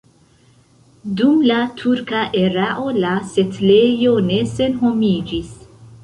Dum la turka erao la setlejo ne senhomiĝis.